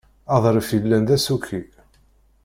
Aḍref yellan d asuki.